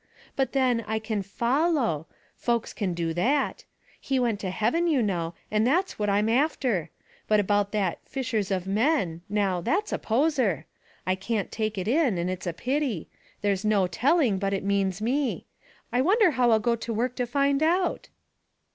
But, then, I c^n follow ; folks can do that. He went to heaven, you know, and that's what I'm after. But about that 'Ushers of men '— now, that's a poser ; I can't take it in, and it's a pity; there's no telling but it means me. I wonder how I'll go to work to find out?"